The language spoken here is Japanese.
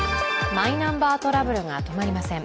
マイナンバートラブルが止まりません。